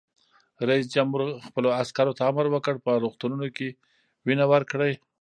رئیس جمهور خپلو عسکرو ته امر وکړ؛ په روغتونونو کې وینه ورکړئ!